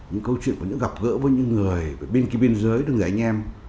những câu chuyện của những gặp gỡ với những người bên kia bên dưới với những người anh em